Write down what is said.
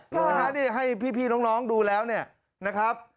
ได้รับเลยเนี่ยให้พี่น้องดูแล้วเนี่ยนะครับ